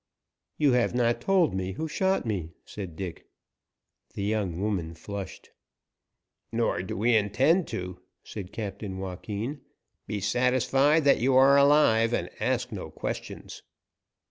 "You have not told me who shot me," said Dick. The young woman flushed. "Nor do we intend to," said Captain Joaquin. "Be satisfied that you are alive, and ask no questions."